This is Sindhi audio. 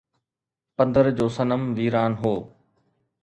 پندر جو صنم ويران هو